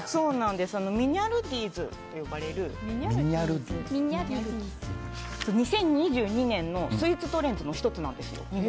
ミニャルディーズと呼ばれる２０２２年のスイーツトレンドの１つなんです。